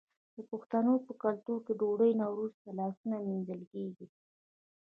د پښتنو په کلتور کې د ډوډۍ نه وروسته لاسونه مینځل کیږي.